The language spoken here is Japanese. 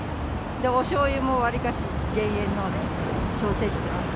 おしょうゆもわりかし減塩ので調整してます。